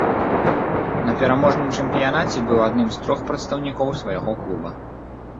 На пераможным чэмпіянаце быў адным з трох прадстаўнікоў свайго клуба.